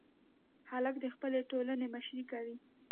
هلک د خپلې ټولنې مشري کوي.